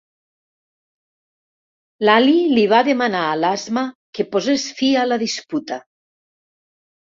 L'Ali li va demanar a l'Asma que posés fi a la disputa.